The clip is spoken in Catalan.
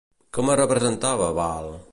Com es representava Baal?